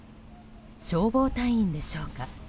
消防隊員でしょうか。